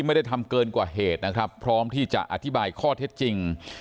ไม่ได้ทำเกินกว่าเหตุนะครับพร้อมที่จะอธิบายข้อเท็จจริง